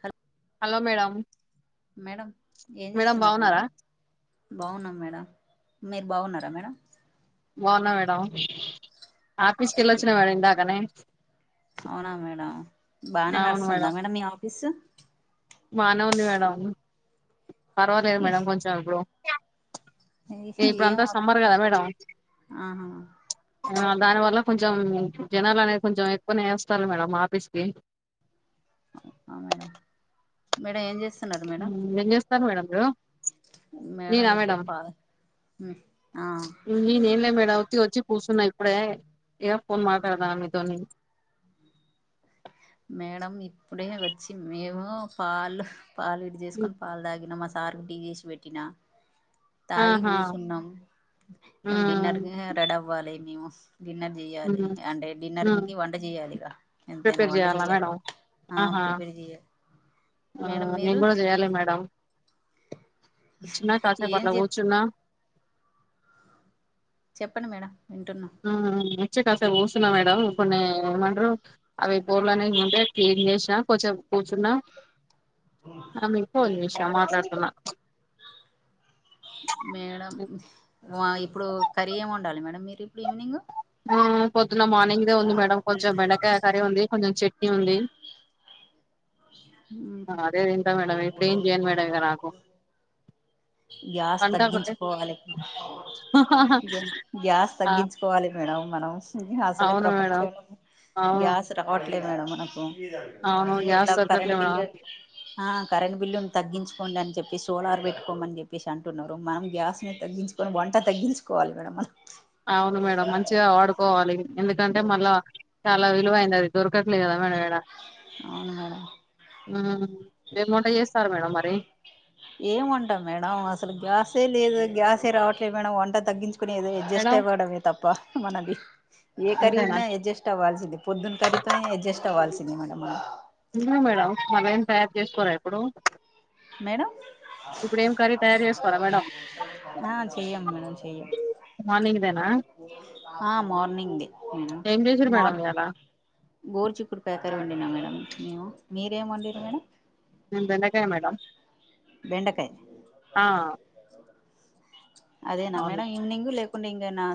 హ hello madam madam ఏం చేస్తున్నారు మేడం బాగున్నాం మేడం మీరు బాగున్నార మేడం బాగున్న మేడం ఆఫీస్ కెళ్ళొచ్చినా మేడం ఇందాకనే అవునా మేడం బానే నడుస్తుంద మేడం మీ ఆఫీసు బానే ఉంది మేడం పర్వాలేదు మేడం కొంచెం ఇపుడు ఇప్పుడు ఏం అంతా ఆఫ్- సమ్మర్ కదా మేడం ఆహా దాని వల్ల కొంచెం జనాలు అనేది కొంచెం ఎక్కువనే ఏస్తారు మేడం ఆఫీస్కి ఆ మేడం మేడం ఏం చేస్ ఉమ్ ఎంచెస్ సార్ మేడం రు [inaudible] మేడం ఇప్పుడే పా ఉమ్ ఆ కూసున్నా ఇప్పుడే ఇక ఫోన్ మాట్లాడ దామని మీతోని మేడం ఇప్పుడే వచ్చి మేము పాల్ హ్ పాలు ఇటు చేసుకొని పాలు తాగిన మ సార్కు టీ చేసి పెట్టినా తాగి ఆహా కూసున్నాం ఉమ్ డిన్నర్కి రెడీ అవ్వాలి మేము డిన్నర్ చెయ్యాలి ఉమ్ అంటే డిన్నర్కి వంట చేయాలిగా ఎంతైనా వంట అవును చేయాలి మేడం ఆ ఆహా ప్రిపేర్ చేయాలి ఆ మేడం మేము మీరు కూడా చేయాలి మేడం. కుచున్న ఏం కాసేపట్ల చే కూర్చున్న చెప్పండి మేడం వింటున్నా ఉమ్మ్ ఉన్నాయి వచ్చి కాసేపు కూర్చున్నా మేడం, కొన్ని ఏమంటారు అవి బోల్ అనేవి ఉంటే క్లీన్ చేసినా కొంచేపు కూర్చున్నా ఆమ్ ఇంకో విషయం మాట్లాడుతున్నా మేడం ఆ ఇప్పుడు కర్రీ ఏమి వండాలి మేడమ్ మీరు ఇప్పుడు ఈవినింగ్ ఆ పొద్దున్న మార్నింగ్దే ఉంది మేడం కొంచెం బెండకాయ కర్రీ ఉంది కొంచెం చెట్ నీ ఉంది ఉమ్ అదే తింటా మేడం ఇప్పుడు ఏం చేయను మేడం ఇగ నాకు గ్యాస్ కంట ఒకటే తగ్గించుకోవాలె గ్యా గ్యాస్ ఆ తగ్గించుకోవాలె మేడం మనమ్స్ అసలే అవును మేడం ప్రపంచంలో అవును గ్యాస్ రావట్ అదే మేడం మనకు అవును గ్యాస్ ఎలాక్ దొరకట్లే కరెంట్ బిల్ మేడం ఆ కరెంట్ బిల్లు తగ్గించుకోండి అని చెప్పి సోలర్ పెట్టుకోమని చెప్పేసి అంటున్నారు మనం గ్యాస్ ని తగ్గించుకొని వంట తగ్గించుకోవాలి మేడం మనం అవును మేడం మంచిగా వాడుకోవాలి ఎందుకంటే మళ్ళా చాలా విలువయినది అది దొరకట్లేదు కాద మేడం ఎడ అవును మేడం ఉ ఏం వంట జేస్తారు మేడం మరి అ ఏం వంట మేడం అసలు గ్యాసే లేదు గ్యాసే రావట్లేదు మేడం వంట తగ్గించు. ఏదో అడ్జస్ట్ మేడం అవ్వడమే ప్ప మనది ఏ కర్రీ అంతేనా ఉన్నా అడ్జస్ట్ అవ్వాల్సిందే పొద్దున్న కర్రీ తోనే అడ్జస్ట్ అవ్వాల్సిందే మేడం మనం ఎందుకు మేడం మరేం తయారు చేసుకోరా ఇప్పుడు ప్చ్ మేడం తయారు చేసుకోరా మేడం ఆహ్ చెయం మేడం చేయం మార్నింగ్ దేనా ఆహ్ మార్నింగ్దే మేడం ఏం చేసిరు మేడం మార్ ఇయాలా గోరుచిక్కుడు కాయ కర్రీ వండ్ మేడం మేం మీరేం వండిండ్రు మేడం మెం బెండకాయ మేడం బెండకాయి ఆ అదేన మేడం ఈవినింగ్ లేక నా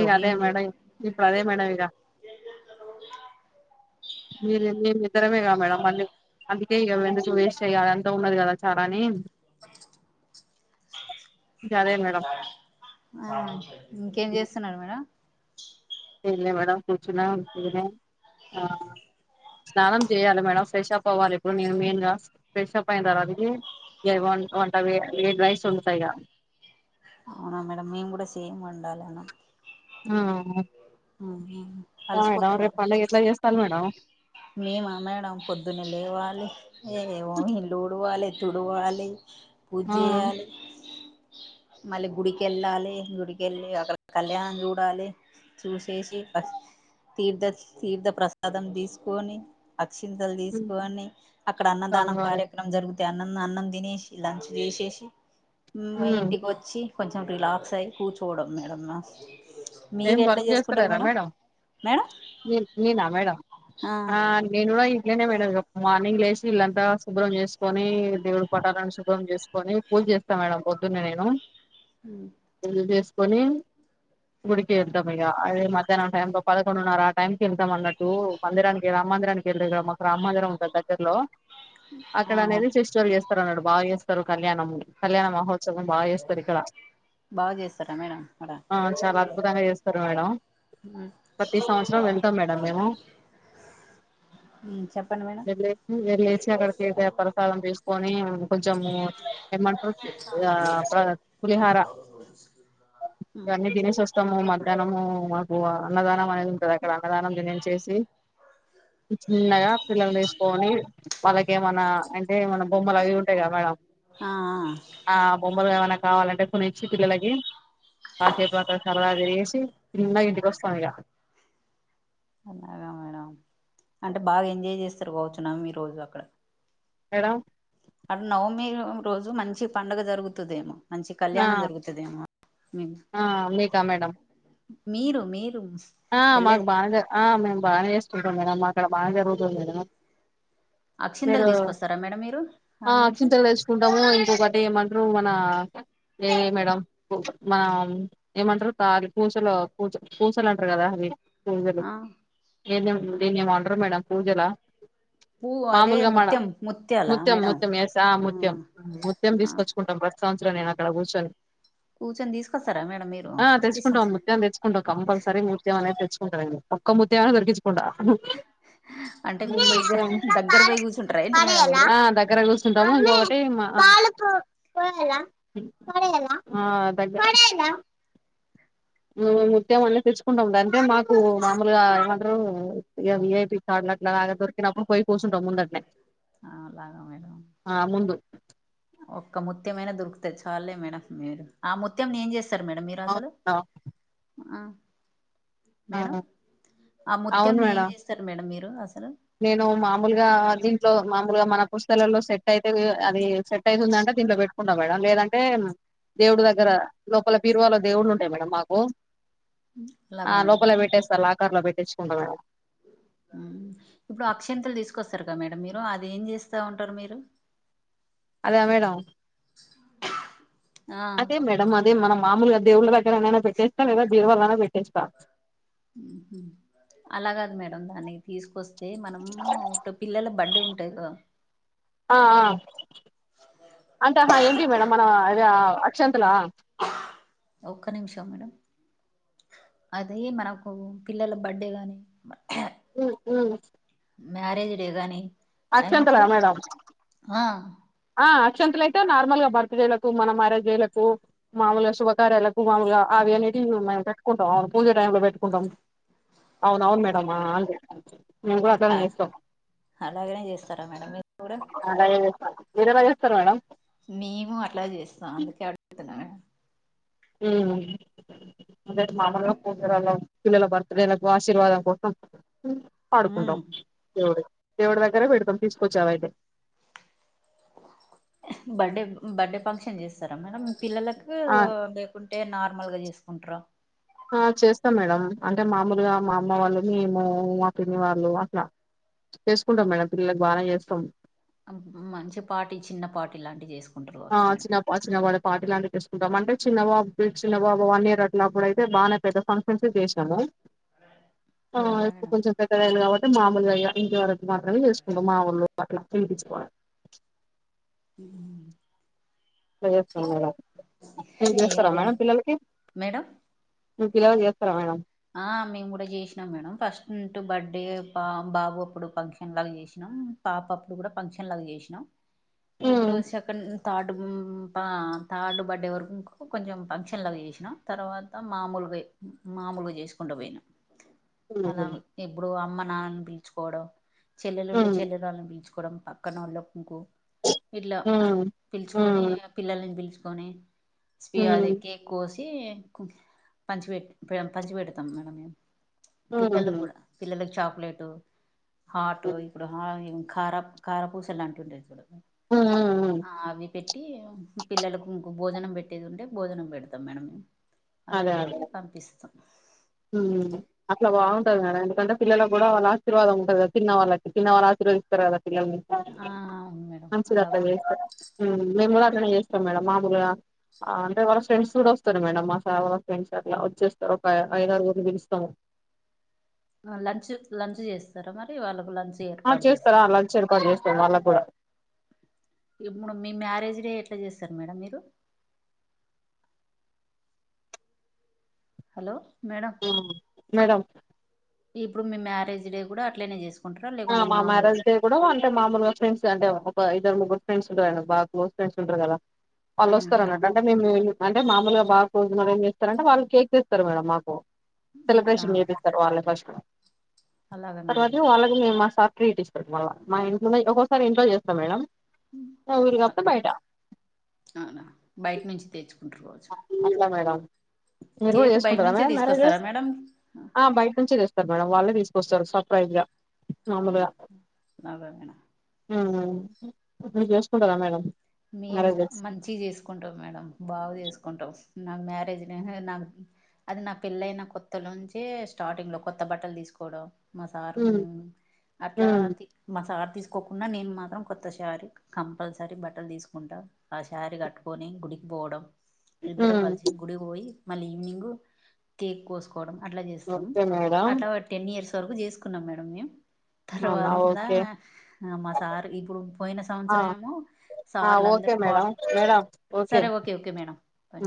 ఇగదే మేడం ఇప్పుడు అదే మేడం ఇగ మీరు ఇద్దరమెగా మేడం మళ్ళీ అ ఎందుకు వేస్ట్ చేయ్యాలి అంత ఉన్నది కదా చార అని అ ఇగ అదే మేడం ఆ ఇంకేం చేస్తున్నారు మేడమ్ ఏమ్లే మేడం కూర్చున్నా ఉత్తిగనే ఆ స్నానం చేయాలి మేడం ఫ్రెష్ అప్ అవ్వాలి ఇప్పుడు నేను మెయిన్గా ఫ్రెష్ప్ అయిన తర్వాతకి వంట ఏడ్ రైస్ వడుతాయి ఇగ అవునా మేడమ్ మేం గూడ సేమ్ వుండాల ఆ మేడం రేపు పండగ ఎట్లా చేస్తారు మేడం మేమ మేడం పొద్దున్న లేవాలి ఏ ఏవో ఇళ్ళు ఉడవాలి తుడవాలి ఆ పూజేయాలి మళ్ళీ గుడికెళ్ళాలి గుడికెళ్ళి అక్కడ కళ్యాణంజూడాలి చూసేసి తీర్థ తీర్థ ప్రసాదం తీసు కోని చింతలు హ్మ్. తీసుకని అక్కడ అన్నదానం స్వామివారి కార్యక్రమం జరుగు అకిందున్న అన్నం తినేసి లంచ్ చేశేసి మా హ్మ్. ఇంటికి వచ్చి కొంచెం రిలాక్స్ అయ్యి కూర్చోవడం మేడమ్ నేను వర్క్ చేస్తలేరా మేడం మేడం మీ మీరా మేడం ఆ నేను గుడ ఇంట్లోనే మేడమ్ ఉప్మా మన్నింగ్ లేసి ఇళ్లంతా శుభ్రం చేసుకొని దేవుడి పటాలను శుభ్రం చేసుకొని పూజ చేస్తా మేడం పొద్దున్నే నేను [unintelligible] చెస్ పోని గుడికి ఎంత మెగా ఆయేగా అ టై త పదకొండున్నర ఆ టైంకి వెళ్తాం అన్నట్టు మందిరానికి రామందిరానికి వెళ్ళారు క మాకు రామ మందిరం ఉంటంది దగ్గరలో అక్కడ అవును అనేది [unintelligible] అన్నాడు బాగా చేస్తారు కళ్యాణం కళ్యాణ మహో చా బాగా చేస్తారు ఇక్కడ బాగా చేస్తారా మేడం అక్కడ ఆ చాల అద్భుతంగా చేస్తారు మేడం ప్రతి సంవత్సరం వెళ్తాం మేడం మేము చెప్పండి మేడం వె వెళ్ళేసి అక్కడ [unintelligible] ప్రసాదం తీసుకొని కొంచెము ఏమ్మంటారు పులిహార ఇవన్నీ చెప్ తినేసి వస్త మధ్యాహ్నము మాకు అన్నదానం అనేది ఉంటది అక్కడ అన్నదానం ద చేసి చిన్నగా పిల్లలు తీసుకని వాళ్ళకేమన్నా ఏమనా బొమ్మలు అవి ఉంటాయి కదా మేడం ఆ బొమ్మలు కావాలంటే కావాలంటే కొనిచ్చి పిల్లలకి కాసేపు సర్వదిరిసి చిన్న గా ఇంటికి వస్తా మిగ అలాగా మేడం అంటే బాగా ఎంజాయ్ చేస్తారు కావచ్చు మీరు ఈ రోజు అక్కడ మేడం అ నవమి రోజు మంచి పండుగ జరుగుతుందేమో మంచి ఆ కళ్యాణం జరుగుతుదేమొ ఆ మీకా మేడం మీరు మీరు ఆ వెళ్ళే మగ్ బా ఆ మాకు బానే ఇస్త చ మేడంమ్ మాక్కడ బాగా జరుగుదుంది మేడం అక్షింతలు మీరు తీసుకొస్తారా మేడం మీరు ఆడ నుంచి అక్షింతలు తెసుుకుంటాము ఇంకొకటి ఏమంట రూ మనా ఏ మేడం మనం ఏమంటారు తాల పూసలు పూ పూసలుంటే కద అది సలు ఆ ఏద [unintelligible] దీన్నే ఏమో అంట్రూ మేడం పూజలా పువ్వు అదే మామూలుగా మన ముత్యం ముత్యాల ముత్యం, మేడం ముత్యం ఎస్ ఆ ముత్యం ఆహ్ ముత్యం ఆ తీసుకొచ్చుకుంటాం. ప్రస్ సంవత్సరం నేన్ అక్కడ కూర్చొని కూర్చొని తీసుకొస్తారా మేడం మీరు. ఆ ప్రతి తెచ్చుకుంటాం సంవత్సరం ముత్యం తెచ్చుకుంటాం కంపల్సరీ ముత్యం అనేది తెచ్చుకుంటారెమో. ఒక్క ముత్యమైన దొరికిచ్చి కుండా. అంటే ఉహ్ మీరు పోయి మిస్సవ్ం దగ్గర పోయి కూర్చుంటారా ఏంటి మేడం మీరు ఆహ్ దగ్గర కూర్చుంటాము ఇంకోక్కట్టి మా ఆహ్ దగ్గర ముత్యం అందిపిచ్ కుండం. అంటే మాకు మామూలుగా ఏమంటారు. వియా వి. ఐ. పి చడలట్లాలాగా దొరికినప్పుడు పోయి కూసుంటాం. ముందట్నే అలాగా మేడం ఆహ్ ముందు. ఒక్క ముత్యంమైనా దొరుకుతది. చాలులే మేడం మీరు. ఆ ముత్యం నేం చేస్ తార్ మేడం మీరూ అసలు అవునా ఆహ్ ఆ మేడం ఆహ్ అవును ముత్యంని ఏం మేడం చేస్తారు. మేడం మీరు రూ అస్సల్ నేను మామూలుగా అది ట్లో మామూలుగా మన పుస్తలలో సెట్ అయితే. అది సెట్ అయితుంధంటే దీంట్లో పెట్టుకుంటాం మేడం. లేదంటే దేవుడు దగ్గర లోపల పీరువాలో దేవుళ్లు ఉంటాయి. మేడం మాకు అలాగా ఆ మేడం లోపలే పెట్టేస్తా. లాకర్ లో పెట్ తెచ్చుకుంటావేమే ఉహ్మ్ ఇప్పుడు అక్షంతలు తీసుకొస్తారు. కా మేడం మీరు అది ఏం చేస్తా ఉంటారు మీరు అదా మేడం ఆ అదే మేడం అన్ అదే మన మామూలుగా దేవుళ్ళ దగ్గరైనా పెట్టేస్తా లేదా బీరువలనైనా పెట్టేస్తా. ఉహ్మ్ హు లాగదు మేడం దాన్ని తీసుకొస్ తే మనము. ఇప్పుడు పిల్లల బట్ లు ఉంటాయి గా ఆ ఆ అంటే ఆహా ఏంటి మేడం. మన వ అక్షంతలా ఒక్క నిమిషం మేడం. అదే మనకు పిల్లల బర్డే గాని ఉహ్మ్ ఉహ్మ్ మ్యారేజ్ డే గానీ అక్షంతల మేడం. ఆహ్ అక్షంతల అయితే నార్మల్ గా బర్త్డే లకు, మన మ్యారేజ్ డే లకు, మామూలుగా శుభకార్యాలకు మాములుగా అవి అనేటివి మేము పెట్టుకుంటాం. ఆహ్ పూజ టైం లో పెట్టుకుంటాం. అవును అవును ఉమ్. మేడమ్ అన్వ్ మేం కూడ అట్లనే ఆ, చేస్తాం అలాగనే చేస్తారా మేడం మీరు కూడా మీరెలా చేస్తరు మేడమ్ మేము అట్లా చేస్తా అందుకే అడుగుతున్నాను హుమ్ అదే మామలుగా ప్రోగ్రాంలకు పిల్లల బర్త్డేలకు ఆశీర్వాదం కోసం పాడుకుంటాం ఉమ్. దేవుడి దగ్గర బెడతాం తీసుకొచ్చి అదైతే బర్డే బర్డే ఫంక్షన్ చేస్తరా మేడం పిల్లలకు ఆ లేకున్ అంటే నార్మల్గా చేసుకుంట్ర ఆ చేస్తాం మేడం అంటే మామూలుగా మా అమ్మ వాళ్ళు మేము మా పిన్ని వాళ్ళు అట్లా చేసుకుంటాం మేడం పిల్లలకు బానే చేస్తాం మంచి పాటి చిన్న పాటి లాంటివి చేస్ ఆ చిన్న ప చిన్న పాడ పాార్టీ లాంటివి చేసుకుంటాం అంటే చిన్నబాబు చిన్న బాబు వన్ ఇయర్ అట్ల అప్పుడైతే బానే పెద్ద ఫంక్షన్స్ ఏ చేసినము ఆ అలాగా ఇప్పు మేడం కొంచెం పెద్దగయ్యింది కాబట్టి మామూలుగ ఇగ ఇంటి వరకు మాత్రమే చేసుకుంటాం మా ఊర్లో అట్ల పిలిపిచుకొని హుమ్ ఇట్ల చేస్తాం మేడమ్ మీరు చేస్తరా ఏంటి మేడం పిల్లలకి మేడం మీర్ పిల్లలకి చేస్తరా మేడం ఆ మేము కూడా చేసినాం మేడం ఫస్ట్ టూ బర్త్డే పా బాబు అప్పుడు ఫంక్షన్ లాగా చేసినాం పాప అప్పుడు కూడా ఫంక్షన్ లాగ చేసినాం ఇప్పుడు హ్మ్. సెకండ్ థర్డ్ ఆ థర్డ్ బర్త్డే వరకు కొంచెం ఫంక్షన్లవి చేసినా తర్వాత మామూలుగా మామూలు చేసుకుంట పోయిన అలా హుహు. ఎప్పుడు అమ్మా నాన్న పిలుచుకోవడం చెల్లెలు ఉంటే హ్మ్. చెల్లి వాలని పిల్చ్ పీల్చుకోవడం అక్కనోలక్ కుకో ఇట్లా హ్మ్. పీల్చుకొని హ్మ్. పిల్లలన్ తి కొని స్పి హ్మ్. అదెకి కోస్ పంచివేట్ పంచిపెడతాం మనమే హుహు. పిల్లలక్ హ్మ్. గుడా పిల్లలకు చాక్ ఎటు హా టో హ్మ్. ఇప్పుడు హా కార కారపూసలు అంటుండే ఇప్పుడు హు హు హు పెట్టి పిల్లలకు ఇంక భోజనం పెట్టేది ఉంటే భోజనం పెడతాం మేడం అలా అదే అదే పెట్టి పంపిస్తాం. అట్లా బాగుంటది మేడమ్ ఎందుకంటే. పిల్లలు కూడా వాళ్ళ ఆశీర్వాదం ఉంటాది. కదా తీన్నళ్ళకి తీన్న వాళ్ళ ఆశీర్దిస్తారు. కాదా. ఆ అవును మేడం మంచిది అట్లా అలాగే చేస్తే మేము కూడా అట్లనే చేస్తాం మేడం మామూలుగా అంటే, వాళ్ళ ఫ్రెండ్స్ కూడా వస్తారు మేడం, మా ఫేవరెట్ ఫ్రెండ్స్ అట్లా వచ్చేస్తారు. ఒక ఐదు ఆరుగురుని పిలుస్తాము లంచ్ లంచ్ చేస్తార మరి వాళ్ళకు లంచ్ ఆ ఏర్పాటు చేస్తారా చేస్తారు లంచ్ ఏర్పాటు చేస్త వాళ్ళకు కూడా ఇప్పుడు మీ మ్యారేజ్ డే ఎట్లా చేస్తారూ మేడం మీరు హలో మేడం మేడమ్ ఇప్పుడు మీ మ్యారేజ్ డే కూడా అట్లనే చేసుకో మా మ్యారేజ్ డే కూడా అంటే మామూలుగా ఫ్రెండ్స్ అంటే. బ ఇద్దరు ముగ్గురు ఫ్రెండ్స్ ఉంటర్ అండి బాగా క్లోస్ ఫ్రెండ్స్ ఉంటారు కదా వాళ్ళు వస్తారు. అలాగే అన్నట్టు మేడం, అంటే మేము. అంటే మామూలుగా బాగా రోజున ఏం చేస్తార అంటే వాళ్ళు కేక్ తెస్తారు మేడమ్ మాకు సెలబ్రేషన్ చేయిపిస్తారు వాళ్ళ ఫస్ట్ అలాగా మేడం తర్వాత వాళ్ళకి మా సార్ ట్రీట్ ఇస్తాడు మళ్ మా ఇంట్లో ఒకసారి ఇంట్లో చేస్తాం మేడం వీలు కాకపోతే బయట అవునా బయట నుంచి తెచ్చుకుంట్ర అంతే మేడమ్ మీరు కూడా కేక్ బయట చేసుకుంటారా నుంచే మేడమ్ మ్యారేజ్ డే తీసుకొస్తారా మేడం ఆ బయట నుంచి తెస్తా మేడం వాళ్ేసుకొస్తారు సర్ప్రైజ్గా [unintelligible] ఇప్పుడు చేూసుకుంటారా మేడం మేం మ్యారేజెస్ మంచి చేసుకుంటాం మేడం బాగా చేసుకు కుంటాం నాకు మ్యారేజ్ నా అది నా పెళ్లైన కొత్తలో నుంచే స్టార్టింగ్ లో కొత్త బట్టలు తీసుకోవడం మా సారు ఉమ్ అట్లా ఉమ్ మా సారు తీసు కుండా నేను మాత్రం కొత్తసారీ కంపల్సరీ బట్ట బట్టలు తీసుకుంటా ఆ ారీ కట్టుకొని గుడికి పోవడం ఇద్దర ఉమ్ కల్సి గుడి కి పోయి మళ్ళీ ఈవినింగ్ కేక్ కోసుక అట్లా చేస్తాం ఓకే మేడం అట్లా ఒక టెన్ ఇయర్స్ వరకు చేసుకున్నాం మేడం మేము అవునా తర్వాతదా ఓకే మా సార్ ఇప్పుడు పోయిన ఆ సంవత్సరం ఏమో సార్లు ఓకే అందరూ మేడం పాటు మేడమ్ ఓకే సరే ఓకే మేడం బాయ్